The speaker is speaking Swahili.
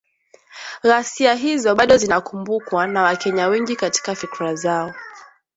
“Ghasia hizo bado zinakumbukwa na Wakenya wengi katika fikra zao"